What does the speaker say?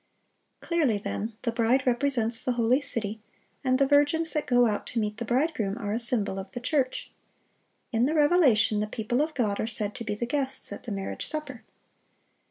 (705) Clearly, then, the bride represents the holy city, and the virgins that go out to meet the bridegroom are a symbol of the church. In the Revelation the people of God are said to be the guests at the marriage supper.